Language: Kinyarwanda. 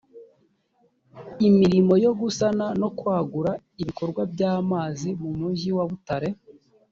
imirimo yo gusana no kwagura ibikorwa by amazi mu mujyi wa butare